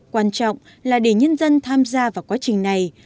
quan trọng là để nhân dân tham gia vào quá trình này